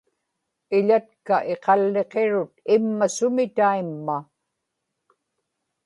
iḷatka iqalliqirut imma sumi taimma